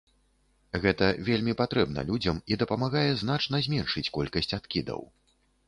Гэта вельмі патрэбна людзям і дапамагае значна зменшыць колькасць адкідаў.